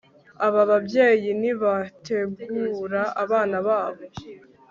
Aba babyeyi ntibategura abana babo